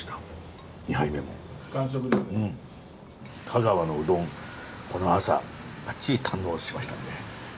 香川のうどんこの朝ばっちり堪能しましたんで。